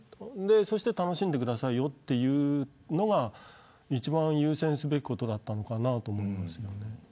それで楽しんでくださいよということが一番、優先すべきことだったと思います。